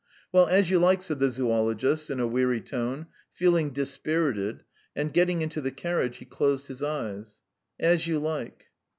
"Well, as you like," said the zoologist, in a weary tone, feeling dispirited, and, getting into the carriage, he closed his eyes. "As you like.